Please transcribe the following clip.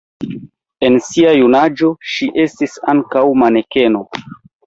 En sia junaĝo ŝi estis ankaŭ manekeno.